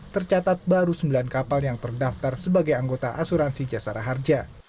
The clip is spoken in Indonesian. tercatat baru sembilan kapal yang terdaftar sebagai anggota asuransi jasara harja